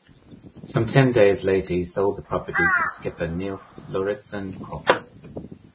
Some ten days later he sold the property to skipper Niels Lauritzen Kock.